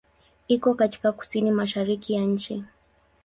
Iko katika kusini-mashariki ya nchi.